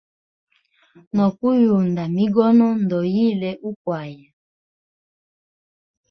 No kuyunda migono, ndoyile ukwaya.